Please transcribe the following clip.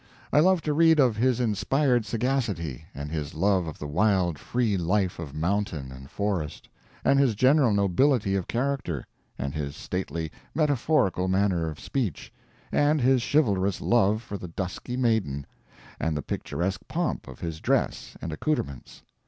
I love to read of his inspired sagacity, and his love of the wild free life of mountain and forest, and his general nobility of character, and his stately metaphorical manner of speech, and his chivalrous love for the dusky maiden, and the picturesque pomp of his dress and accoutrements.